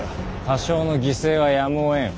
多少の犠牲はやむをえん。